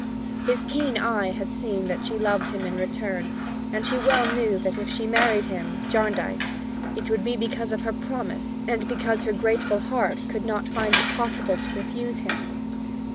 His keen eye had seen that she loved him in return, and he well knew that if she married him, Jarndyce, it would be because of her promise and because her grateful heart could not find it possible to refuse him.